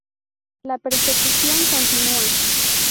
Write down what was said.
La persecución continúa.